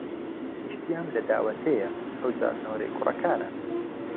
ئیشتیام لە داوەتێ یە ئەو جار نۆرەی کوڕەکانە